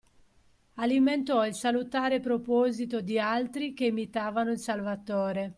Alimentò il salutare proposito di altri che imitavano il Salvatore